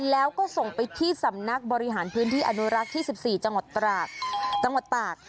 แล้วก็ส่งไปที่สำนักบริหารพื้นที่อนุรักษ์ที่๑๔จังหวัดตาก